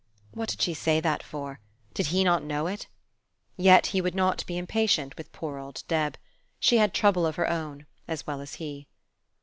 What did she say that for? Did he not know it? Yet he would not be impatient with poor old Deb. She had trouble of her own, as well as he.